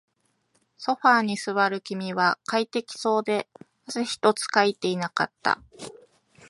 ソファーに座る君は快適そうで、汗一つかいていなかった